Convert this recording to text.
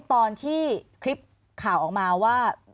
ตอนที่คลิปข่าวออกมาว่า